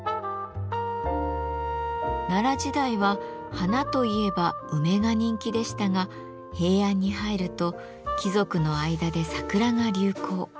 奈良時代は花といえば梅が人気でしたが平安に入ると貴族の間で桜が流行。